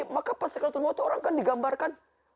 maka pas sekiratul mawad orang kan digambarkan